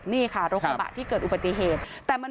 รกระบะที่เกิดอุบัติเคย์